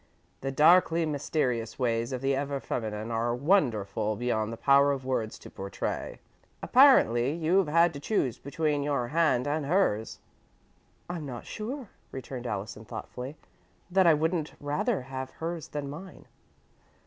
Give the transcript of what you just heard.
"The darkly mysterious ways of the ever feminine are wonderful beyond the power of words to portray. Apparently you've had to choose between your hand and hers." "I'm not sure," returned Allison, thoughtfully, "that I wouldn't rather have hers than mine."